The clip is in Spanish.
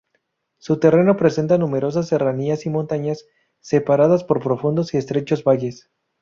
Su terreno presenta numerosas serranías y montañas, separadas por profundos y estrechos valles.